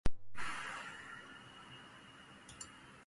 ịrụ ụzọ ahụ siri Ibenabo gaa Abacha